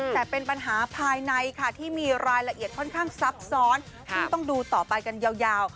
แต่เป็นปัญหาภายในค่ะที่มีรายละเอียดค่อนข้างซับซ้อนซึ่งต้องดูต่อไปกันยาว